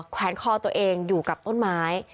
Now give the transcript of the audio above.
แขวนคอตัวเองอยู่กับต้นไม้